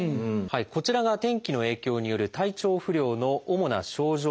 こちらが天気の影響による体調不良の主な症状です。